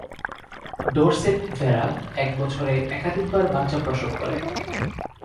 Dorset ভেড়া এক বছরে একাধিকবার বাচ্চা প্রসব করে।